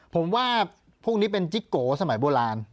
ผมว่าพวกนี้เป็นจิ๊กโกสมัยโบราณ